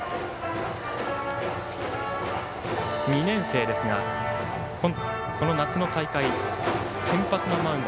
２年生ですがこの夏の大会先発のマウンド